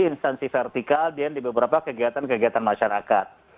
instansi vertikal dan di beberapa kegiatan kegiatan masyarakat